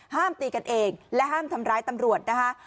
ตีกันเองและห้ามทำร้ายตำรวจนะคะ